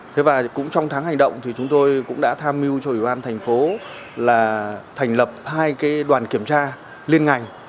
thế và cũng trong tháng hành động thì chúng tôi cũng đã tham mưu cho ủy ban thành phố là thành lập hai cái đoàn kiểm tra liên ngành